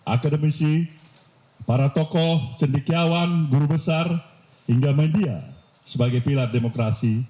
akademisi para tokoh cendikiawan guru besar hingga media sebagai pilar demokrasi